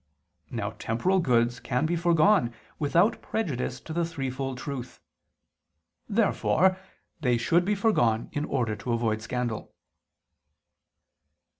Now temporal goods can be foregone without prejudice to the threefold truth. Therefore they should be foregone in order to avoid scandal.